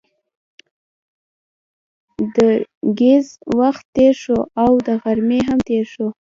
د ګهیځ وخت تېر شو او د غرمې هم تېر شو.